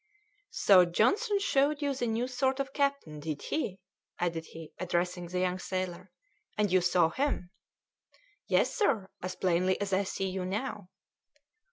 "So Johnson showed you the new sort of captain, did he?" added he, addressing the young sailor, "and you saw him?" "Yes, sir, as plainly as I see you now."